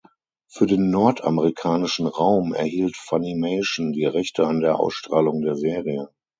Für den nordamerikanischen Raum erhielt Funimation die Rechte an der Ausstrahlung der Serie.